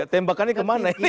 tembakannya kemana ini